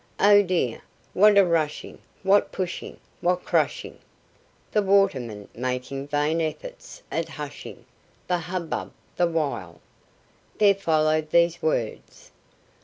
Oh, dear, what a rushing, what pushing, what crushing (The watermen making vain efforts at hushing The hubbub the while), there followed these words.